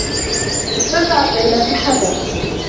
استرجعت ليلى صحّتها.